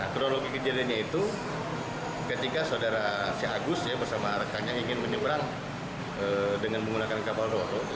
kronologi kejadiannya itu ketika saudara si agus bersama rekannya ingin menyeberang dengan menggunakan kapal roro